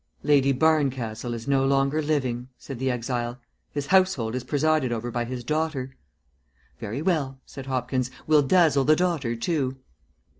"Lady Barncastle is no longer living," said the exile. "His household is presided over by his daughter." "Very well," said Hopkins. "We'll dazzle the daughter too."